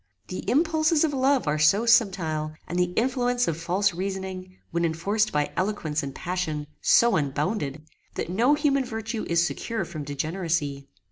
The impulses of love are so subtile, and the influence of false reasoning, when enforced by eloquence and passion, so unbounded, that no human virtue is secure from degeneracy.